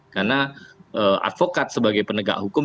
karena advokat sebagai penegak hukum